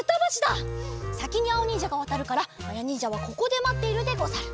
さきにあおにんじゃがわたるからまやにんじゃはここでまっているでござる。